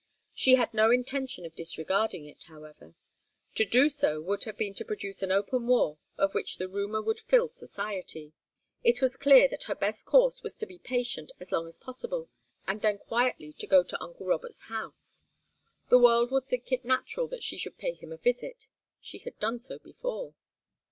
She had no intention of disregarding it, however. To do so would have been to produce an open war of which the rumour would fill society. It was clear that her best course was to be patient as long as possible, and then quietly to go to uncle Robert's house. The world would think it natural that she should pay him a visit. She had done so before.